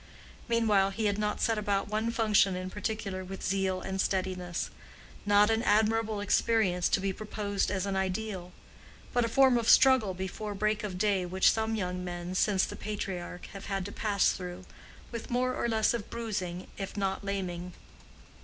Meanwhile he had not set about one function in particular with zeal and steadiness. Not an admirable experience, to be proposed as an ideal; but a form of struggle before break of day which some young men since the patriarch have had to pass through, with more or less of bruising if not laming.